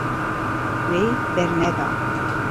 Wê berneda.